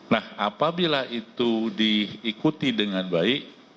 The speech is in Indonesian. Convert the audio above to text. nah apabila itu diikuti dengan baik